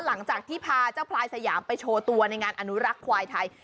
หลังจากที่พาเจ้าพลายสยามไปโชว์ตัวในงานอนุรักษ์ควายไทย